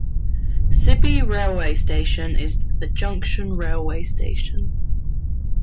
Sibi Railway Station is a junction railway station.